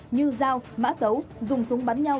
như dao mã tấu dùng súng bắn nhau